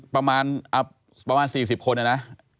ประมาณ๔๐คนเนี่ยนะ